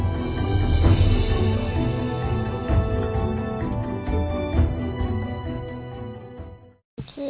อย่างงี้นะคะ